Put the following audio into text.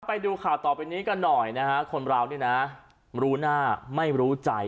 ไปดูข่าวต่อไปนี้กันหน่อยนะฮะคนเรานี่นะรู้หน้าไม่รู้ใจ